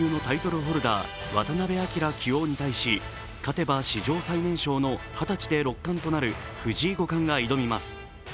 ホルダー渡辺明棋王に対し勝てば史上最年少の二十歳で六冠となる藤井五冠が挑みます。